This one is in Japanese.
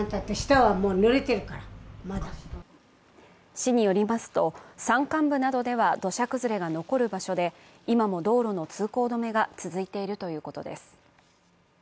市によりまと、山間部などでは土砂崩れが残る場所で今も道路の通行止めが続いているということです。